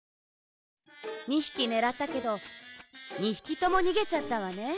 ２ひきねらったけど２ひきともにげちゃったわね。